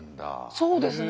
そうですね。